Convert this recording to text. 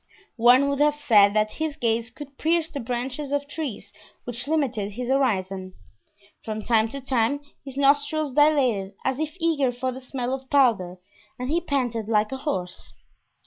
One would have said that his gaze could pierce the branches of trees which limited his horizon. From time to time his nostrils dilated as if eager for the smell of powder, and he panted like a horse.